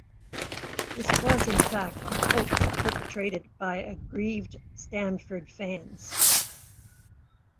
This was in fact a hoax perpetrated by aggrieved Stanford fans.